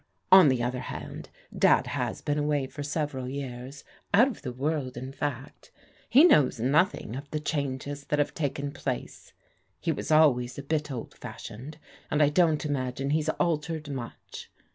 On the other hand, Dad \ias 28 PRODIGAL DAUQHTEBS been away for several years, — out of the world in fact He knows nothing of the changes that have taken place. He was always a bit old fashioned, and I don't imagine he's altered much.